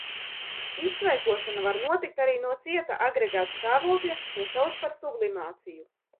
Iztvaikošana var notikt arī no cieta agregātstāvokļa – to sauc par sublimāciju.